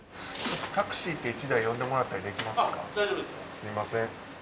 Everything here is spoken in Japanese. すみません。